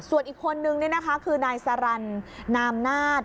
ส่วนอีกคนนึงนี่นะคะคือนายสรรนามนาฏ